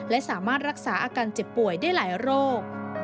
และสามารถรักษาอาการเจ็บป่วยได้หลายโรค